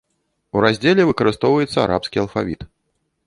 У раздзеле выкарыстоўваецца арабскі алфавіт.